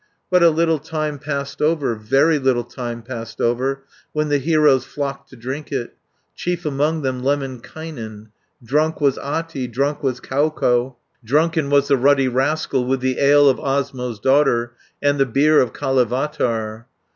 390 "But a little time passed over, Very little time passed over, When the heroes flocked to drink it, Chief among them Lemminkainen. Drunk was Ahti, drunk was Kauko, Drunken was the ruddy rascal, With the ale of Osmo's daughter, And the beer of Kalevatar.